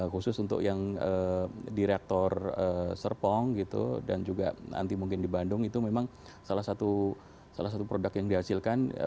khusus untuk yang di reaktor serpong gitu dan juga nanti mungkin di bandung itu memang salah satu produk yang dihasilkan